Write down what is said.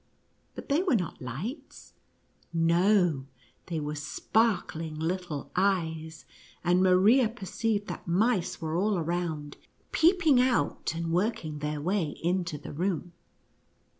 But they were not lights — no — they were sparkling little eyes, and Maria per ceived that mice were all around, peeping out and working their way into the room.